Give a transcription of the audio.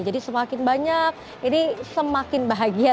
semakin banyak ini semakin bahagia